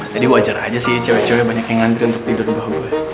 tadi wajar aja sih cewek cewek banyak yang ngantri untuk tidur di bawah bawah